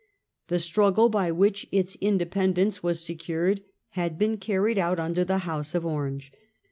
The struggle by which its independence was secured had been carried but under the House of Orange.